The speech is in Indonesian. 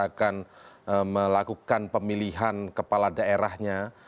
akan melakukan pemilihan kepala daerahnya